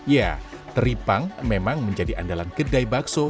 ya teripang memang menjadi andalan kedai bakso